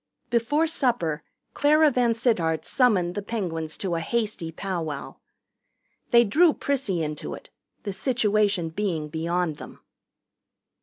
Before supper Clara VanSittart summoned the Penguins to a hasty powwow. They drew Prissy into it, the situation being beyond them.